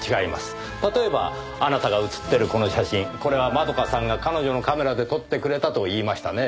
例えばあなたが写っているこの写真これは円香さんが彼女のカメラで撮ってくれたと言いましたね。